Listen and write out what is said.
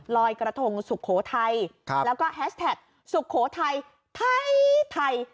ลอยกระทงสุโขทัยแล้วก็แฮชแท็กสุโขทัยไทย